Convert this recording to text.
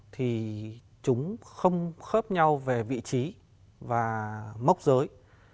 thì chúng không khớp nhau về vị trí và mốc giới